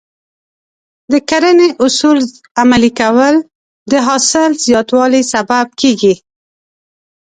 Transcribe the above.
د کرنې اصول عملي کول د حاصل زیاتوالي سبب کېږي.